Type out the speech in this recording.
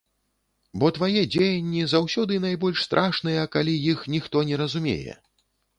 Бо твае дзеянні заўсёды найбольш страшныя, калі іх ніхто не разумее.